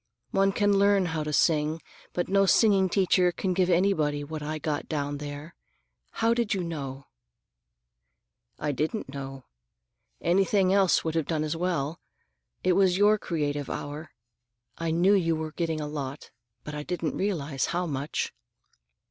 One can learn how to sing, but no singing teacher can give anybody what I got down there. How did you know?" "I didn't know. Anything else would have done as well. It was your creative hour. I knew you were getting a lot, but I didn't realize how much."